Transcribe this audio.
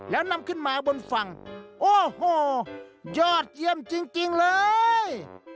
แล้วนำขึ้นมาบนฝั่งโอ้โหยอดเยี่ยมจริงเลย